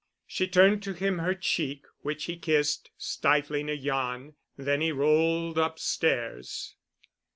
She turned to him her cheek, which he kissed, stifling a yawn; then he rolled upstairs.